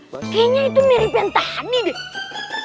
kayaknya itu mirip yang tadi deh